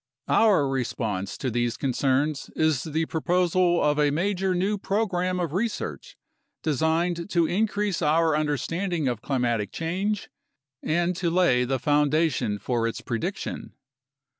Our response to these concerns is the proposal of a major new program of research designed to increase our understanding of climatic change and to lay the foundation for its prediction.